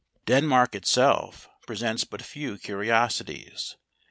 Denmark itself presents but few curiosities.